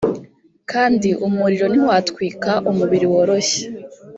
kandi umuriro ntiwatwika umubiri woroshye